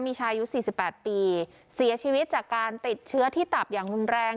มีชายุ๔๘ปีเสียชีวิตจากการติดเชื้อที่ตับอย่างรุนแรง